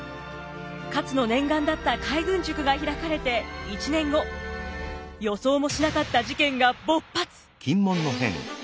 勝の念願だった海軍塾が開かれて１年後予想もしなかった事件が勃発。